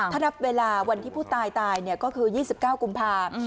ถ้านับเวลาวันที่ผู้ตายตายก็คือ๒๙กุมภาพ